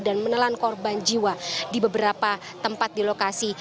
dan menelan korban jiwa di beberapa tempat di lokasi